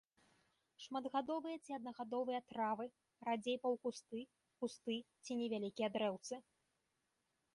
Шматгадовыя ці аднагадовыя травы, радзей паўкусты, кусты ці невялікія дрэўцы.